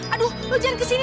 aduh lo jangan ke sini